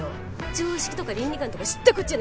常識とか倫理観とか知ったこっちゃねえし！